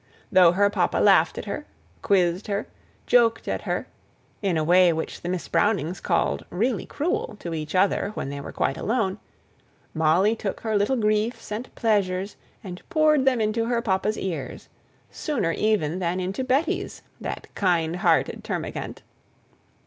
Though her papa laughed at her, quizzed her, joked at her, in a way which the Miss Brownings called "really cruel" to each other when they were quite alone, Molly took her little griefs and pleasures, and poured them into her papa's ears, sooner even than into Betty's, that kind hearted termagant.